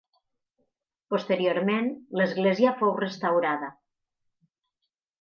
Posteriorment l'església fou restaurada.